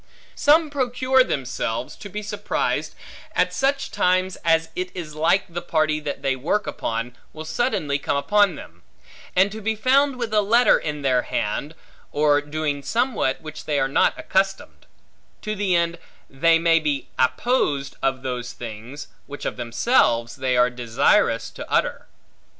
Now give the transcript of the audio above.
Some procure themselves, to be surprised, at such times as it is like the party that they work upon, will suddenly come upon them; and to be found with a letter in their hand, or doing somewhat which they are not accustomed; to the end, they may be apposed of those things, which of themselves they are desirous to utter.